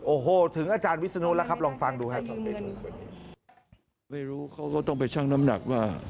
โอ้โหถึงอาจารย์วิทย์สนุนแล้วครับลองฟังดูครับ